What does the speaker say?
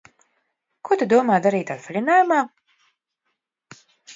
Ko Tu domā darīt atvaļinājumā?